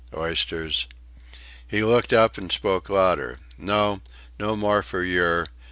oysters..." He looked up and spoke louder. "No... No more for yer...